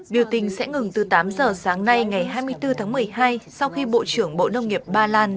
biểu tình sẽ ngừng từ tám giờ sáng nay ngày hai mươi bốn tháng một mươi hai sau khi bộ trưởng bộ nông nghiệp ba lan